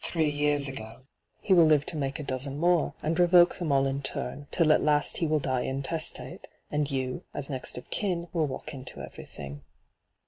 three years ago ; he will live to make a dozen more, and revoke them all in torn, till at last he will die intestate, and you, as next of kin, will walk into everything.'